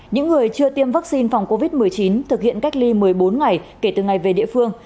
những người chưa tiêm vaccine phòng covid một mươi chín thực hiện cách ly một mươi bốn ngày kể từ ngày về địa phương